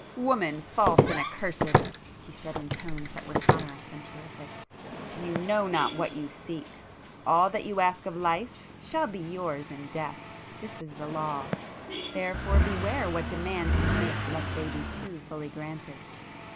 "Woman, false and accurséd!" he said in tones that were sonorous and terrific—"You know not what you seek! All that you ask of life shall be yours in death!—this is the law,—therefore beware what demands you make lest they be too fully granted!